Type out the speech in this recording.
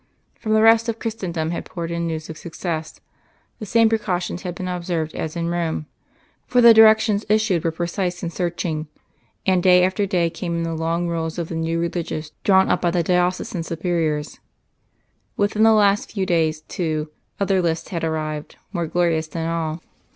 From the rest of Christendom had poured in news of success. The same precautions had been observed as in Rome, for the directions issued were precise and searching; and day after day came in the long rolls of the new Religious drawn up by the diocesan superiors. Within the last few days, too, other lists had arrived, more glorious than all.